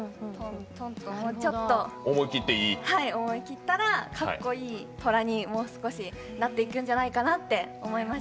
思い切ったらかっこいい「寅」にもう少しなっていくんじゃないかなって思います。